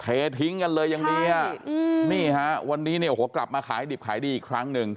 เททิ้งกันเลยยังมีฮะนี่ฮะวันนี้เนี่ยโอ้โหกลับมาขายดิบขายดีอีกครั้งหนึ่ง